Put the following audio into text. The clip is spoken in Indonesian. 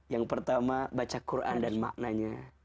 yang pertama baca quran dan maknanya